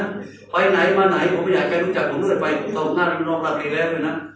นะไปไหนมาไหนผมไม่อยากให้รู้จักผมไม่ได้ไปผมเทาะหน้าดินรอบดีแล้วเลยนะ